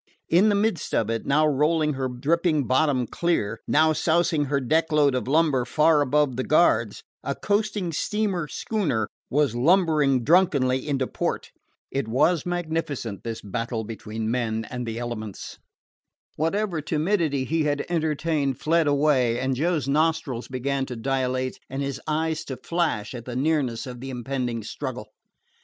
In the midst of it, now rolling her dripping bottom clear, now sousing her deck load of lumber far above the guards, a coasting steam schooner was lumbering drunkenly into port. It was magnificent this battle between man and the elements. Whatever timidity he had entertained fled away, and Joe's nostrils began to dilate and his eyes to flash at the nearness of the impending struggle.